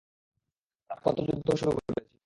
তারা কত যুদ্ধ শুরু করেছে?